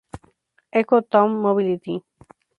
Eco Town Mobility.